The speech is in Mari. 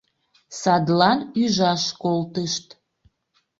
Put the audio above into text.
Садлан ӱжаш колтышт.